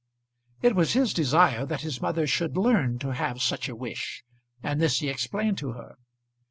It was his desire that his mother should learn to have such a wish, and this he explained to her.